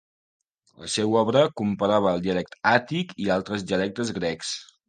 La seva obra comparava el dialecte àtic i altres dialectes grecs.